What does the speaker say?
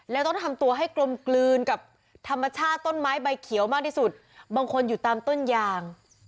แล้วต้องทำตัวให้กลมกลืนกับธรรมชาติต้นไม้ใบเขียวมากที่สุดบางคนอยู่ตามต้นยาง